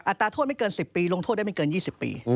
ตราโทษไม่เกิน๑๐ปีลงโทษได้ไม่เกิน๒๐ปี